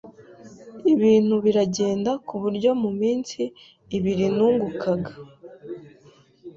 ibintu biragenda ku buryo mu minsi ibiri nungukaga